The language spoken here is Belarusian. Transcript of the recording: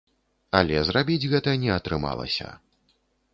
Але зрабіць гэта не атрымалася.